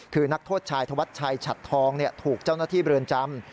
คือนักโทษชายธวัชชัยฉัดทองถูกเจ้าหน้าที่เรือนจำ